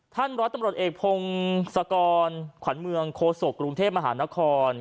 ร้อยตำรวจเอกพงศกรขวัญเมืองโคศกกรุงเทพมหานคร